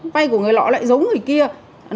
vay của người lọ lại giấu người kia